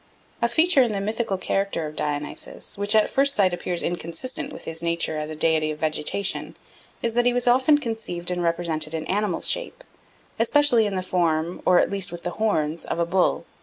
A feature in the mythical character of Dionysus, which at first sight appears inconsistent with his nature as a deity of vegetation, is that he was often conceived and represented in animal shape, especially in the form, or at least with the horns, of a bull.